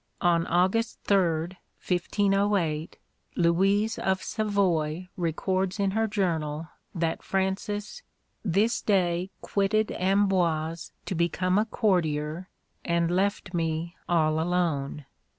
On August 3rd, 1508, Louise of Savoy records in her journal that Francis "this day quitted Amboise to become a courtier, and left me all alone."